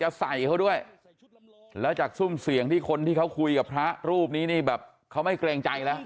ใส่เขาด้วยแล้วจากซุ่มเสียงที่คนที่เขาคุยกับพระรูปนี้นี่แบบเขาไม่เกรงใจแล้ว